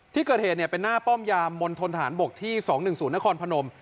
ที่เกิดเหตุเนี้ยเป็นหน้าป้อมยามมณฑนฐานบกที่สองหนึ่งศูนย์นครพนม